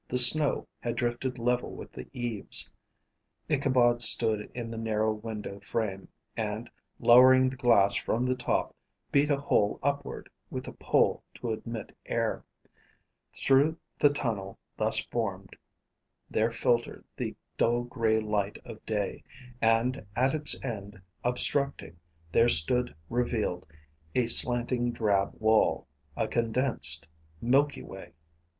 The snow had drifted level with the eaves. Ichabod stood in the narrow window frame, and, lowering the glass from the top, beat a hole upward with a pole to admit air. Through the tunnel thus formed there filtered the dull gray light of day: and at its end, obstructing, there stood revealed a slanting drab wall, a condensed milky way.